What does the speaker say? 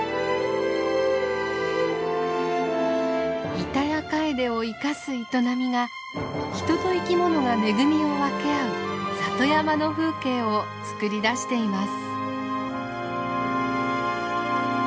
イタヤカエデを生かす営みが人と生き物が恵みを分け合う里山の風景を作り出しています。